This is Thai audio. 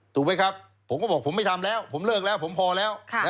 ถูกไหมครับผมก็บอกผมไม่ทำแล้วผมเลิกแล้วผมพอแล้ว